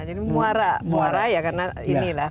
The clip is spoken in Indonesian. jadi muara ya karena inilah